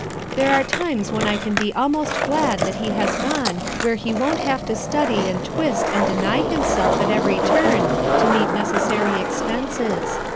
There are times when I can be almost glad that he has gone where he won't have to study and twist and deny himself at every turn to meet neces sary expenses.